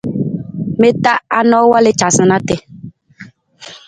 Mi ta anang wal i caasunaa?